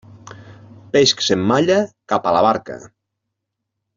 Peix que s'emmalla, cap a la barca.